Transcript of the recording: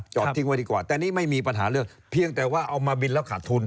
ทิ้งไว้ดีกว่าแต่นี่ไม่มีปัญหาเรื่องเพียงแต่ว่าเอามาบินแล้วขาดทุน